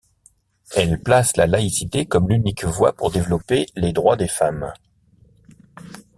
Elle place la laïcité comme l'unique voie pour développer les droits des femmes.